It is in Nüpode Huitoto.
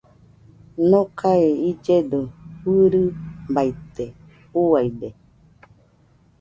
Nokae illedo fɨirɨbaite, uiade